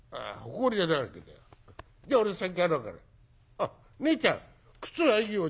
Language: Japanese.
あっねえちゃん靴はいいよ